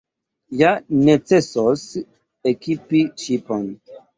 Ja necesos ekipi ŝipon.